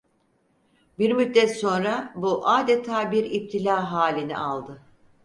Bir müddet sonra bu adeta bir iptila halini aldı.